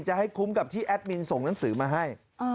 จะให้คุ้มกับที่แอดมินส่งหนังสือมาให้